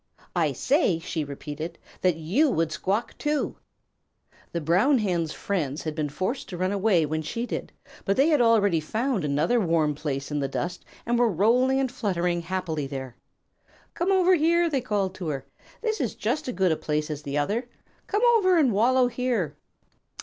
"I say," she repeated, "that you would squawk too!" The Brown Hen's friends had been forced to run away when she did, but they had already found another warm place in the dust and were rolling and fluttering happily there. "Come over here," they called to her. "This is just as good a place as the other. Come over and wallow here."